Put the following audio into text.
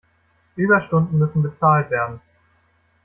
Überstunden müssen bezahlt werden.